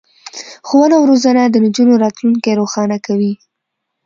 ښوونه او روزنه د نجونو راتلونکی روښانه کوي.